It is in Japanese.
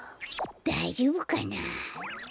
だいじょうぶかな？